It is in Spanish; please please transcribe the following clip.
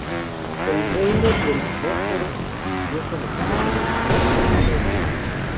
El reino del Bósforo siguió comerciando con Anatolia.